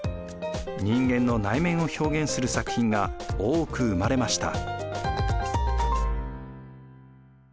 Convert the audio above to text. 人間の内面を表現する作品が多く生まれました。